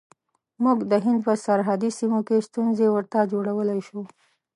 موږ د هند په سرحدي سیمو کې ستونزې ورته جوړولای شو.